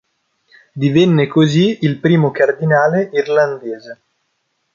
Divenne così il primo cardinale irlandese.